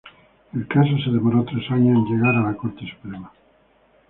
El caso se demoró tres años en llegar a la Corte Suprema.